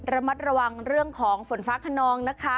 ระมัดระวังเรื่องของฝนฟ้าขนองนะคะ